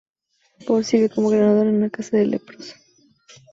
Bol sirvió como gobernador en una Casa para leprosos.